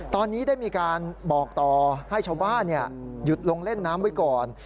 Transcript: ตอนนี้ได้มีการบอกต่อให้ชาวบ้านหยุดลงเล่นน้ำไว้ก่อน